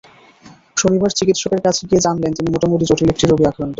শনিবার চিকিৎসকের কাছে গিয়ে জানলেন তিনি মোটামুটি জটিল একটি রোগে আক্রান্ত।